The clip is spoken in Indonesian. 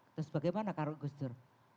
terus bagaimana kalau gus dur